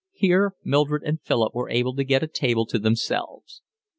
Here Mildred and Philip were able to get a table to themselves.